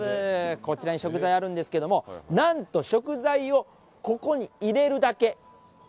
こちらに食材あるんですけれども、なんと、食材をここに入れるだけ。